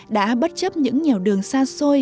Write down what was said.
đã bất chấp những nhiều đường xa xôi